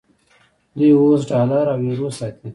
دوی اوس ډالر او یورو ساتي.